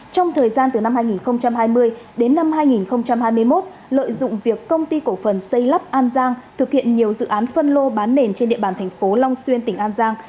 trong thời gian từ năm hai nghìn hai mươi đến năm hai nghìn hai mươi một lợi dụng việc công ty cổ phần xây lắp an giang thực hiện nhiều dự án phân lô bán nền trên địa bàn thành phố long xuyên tỉnh an giang